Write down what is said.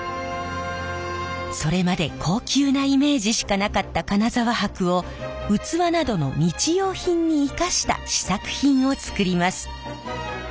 それまで高級なイメージしかなかった金沢箔を器などの日用品に生かした試作品を作ります。